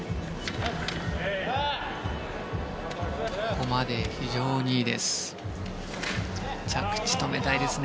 ここまで非常にいいです。